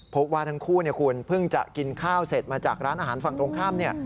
พบว่าทั้งคู่คุณเพิ่งจะกินข้าวเสร็จมาจากร้านอาหารฝั่งตรงข้าม